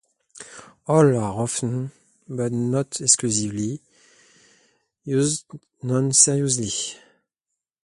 All are often, but not exclusively, used non-seriously.